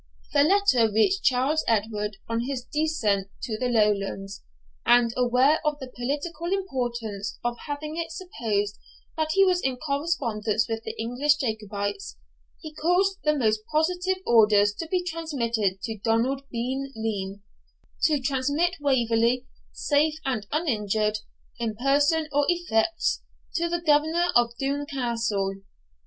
The letter reached Charles Edward on his descent to the Lowlands, and, aware of the political importance of having it supposed that he was in correspondence with the English Jacobites, he caused the most positive orders to be transmitted to Donald Bean Lean to transmit Waverley, safe and uninjured, in person or effects, to the governor of Doune Castle.